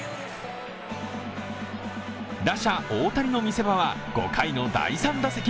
打者・大谷の見せ場５回の第３打席。